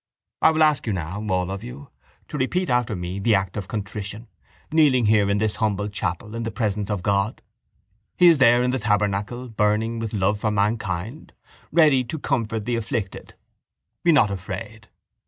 I will ask you now, all of you, to repeat after me the act of contrition, kneeling here in this humble chapel in the presence of God. He is there in the tabernacle burning with love for mankind, ready to comfort the afflicted. Be not afraid.